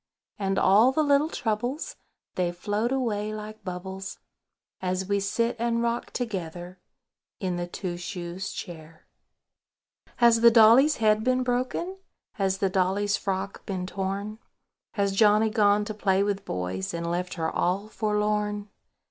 And all the little troubles, They float away like bubbles, As we sit and rock together In the Two shoes Chair. Has the dolly's head been broken? Has the dolly's frock been torn? Has Johnny gone to play with boys, And left her all forlorn?